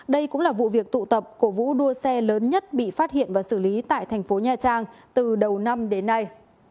đây cũng là vụ việc tụ tập cổ vũ đua xe lớn nhất bị phát hiện và xử lý tại thành phố nha trang từ đầu năm đến nay